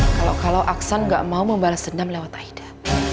kalau kalau aksan nggak mau membalas dendam lewat aida